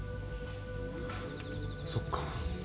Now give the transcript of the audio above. そっか。